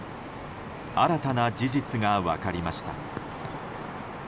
新たな事実が分かりました。